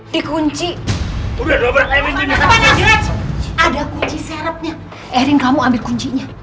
dikunci ada kunci serepnya erin kamu ambil kuncinya